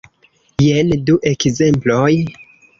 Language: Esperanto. Jen du ekzemploj.